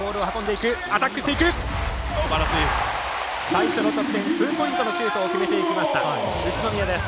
最初の得点ツーポイントのシュートを決めていきました宇都宮です。